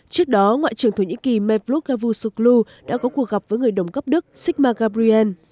trước đó ngoại trưởng thổ nhĩ kỳ mevlut cavusoglu đã có cuộc gặp với người đồng cấp đức sigmar gabriel